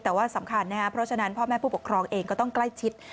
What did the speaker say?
แต่ว่าสำคัญนะครับเพราะฉะนั้นพ่อแม่ผู้ปกครองเองก็ต้องใกล้ชิด